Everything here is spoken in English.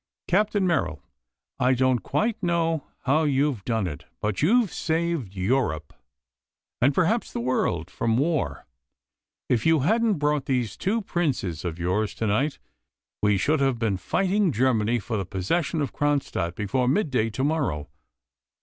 "Captain Merrill, I don't quite know how you've done it, but you've saved Europe, and perhaps the world, from war. If you hadn't brought those two princes of yours to night, we should have been fighting Germany for the possession of Kronstadt before mid day to morrow.